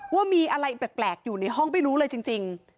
ว่ามีอะไรแปลกอยู่ในห้องไม่รู้เลยจริง